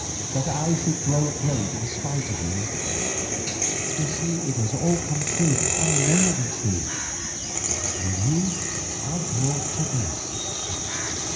—that I should grow great in spite of you? You see it has all come true and more than true, and you are brought to this.